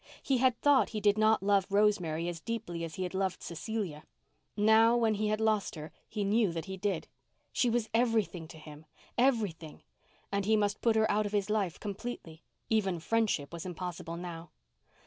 He had thought he did not love Rosemary as deeply as he had loved Cecilia. Now, when he had lost her, he knew that he did. She was everything to him—everything! And he must put her out of his life completely. Even friendship was impossible now.